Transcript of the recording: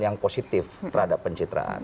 yang positif terhadap pencitraan